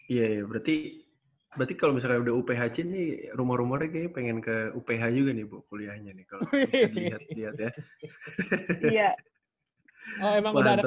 iya iya berarti kalau misalnya udah uphc nih rumor rumornya kayaknya pengen ke uph juga nih bu kuliahnya nih kalau lihat lihat ya